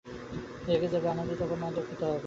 রেগে যাবে, আনন্দিত হবে, না দুঃখিত হবে।